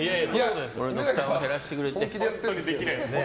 俺の負担を減らしてくれてね。